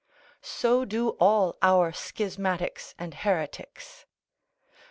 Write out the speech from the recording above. So do all our schismatics and heretics.